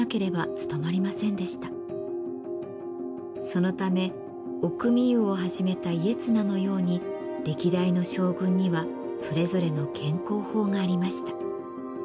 そのため御汲湯を始めた家綱のように歴代の将軍にはそれぞれの健康法がありました。